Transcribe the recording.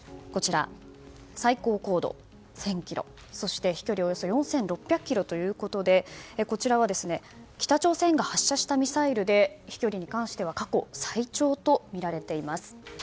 最高高度１０００ｋｍ飛距離はおよそ４６００ｋｍということでこちらは北朝鮮が発射したミサイルで飛距離に関しては過去最長とみられています。